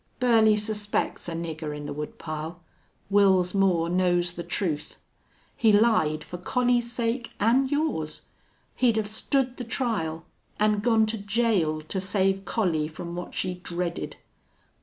Burley suspects a nigger in the wood pile. Wils Moore knows the truth. He lied for Collie's sake an' yours. He'd have stood the trial an' gone to jail to save Collie from what she dreaded....